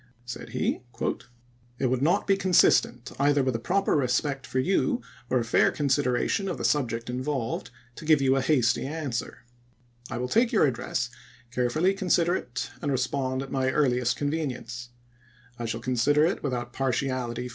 Said he :" It would not be consistent, either with a proper respect for you or a fair consideration of the subject involved, to give you a hasty answer. I will take your address, carefully consider it, and respond at my earliest convenience. I shall consider it without partiality 216 ABRAHAM LINCOLN chap.viii.